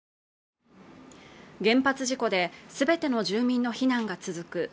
原発事故ですべての住民の避難が続く